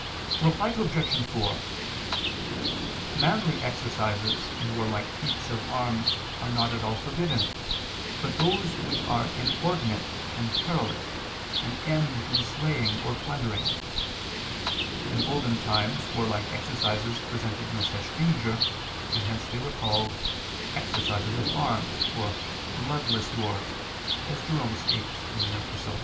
Reply Obj. 4: Manly exercises in warlike feats of arms are not all forbidden, but those which are inordinate and perilous, and end in slaying or plundering. In olden times warlike exercises presented no such danger, and hence they were called "exercises of arms" or "bloodless wars," as Jerome states in an epistle [*Reference incorrect: cf.